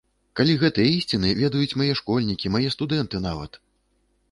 Калі гэтыя ісціны ведаюць мае школьнікі, мае студэнты нават!